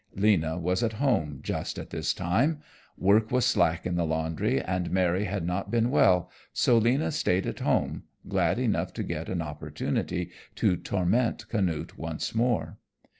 Lena was at home just at this time. Work was slack in the laundry and Mary had not been well, so Lena stayed at home, glad enough to get an opportunity to torment Canute once more.